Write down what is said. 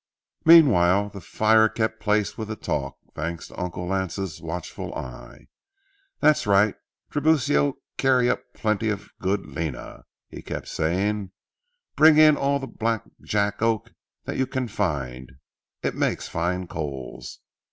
Meanwhile the fire kept pace with the talk, thanks to Uncle Lance's watchful eye. "That's right, Tiburcio, carry up plenty of good lena," he kept saying. "Bring in all the black jack oak that you can find; it makes fine coals.